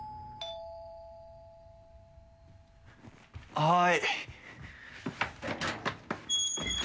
はい。